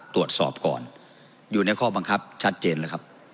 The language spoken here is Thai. ตรวจสอบก่อนอยู่ในข้อบังคับชัดเจนแล้วครับ